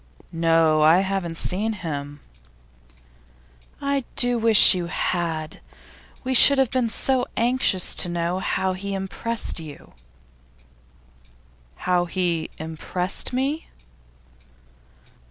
'No; I haven't seen him.' 'I do wish you had! We should have been so anxious to know how he impressed you.' 'How he impressed me?